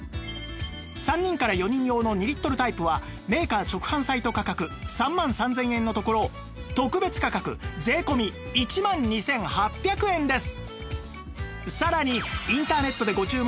３人から４人用の２リットルタイプはメーカー直販サイト価格３万３０００円のところ特別価格税込１万２８００円です